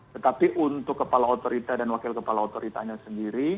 tetapi untuk kepala otorita dan wakil kepala otoritanya sendiri